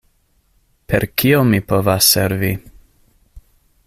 Per kio mi povas servi?